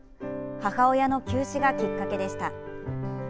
母親の急死がきっかけでした。